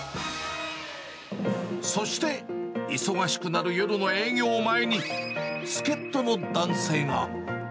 そして、忙しくなる夜の営業前に、助っ人の男性が。